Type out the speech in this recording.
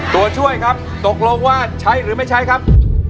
ตัวช่วยครับตกลงว่าใช้หรือไม่ใช้ครับ